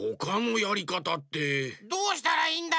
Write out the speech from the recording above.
どうしたらいいんだよ。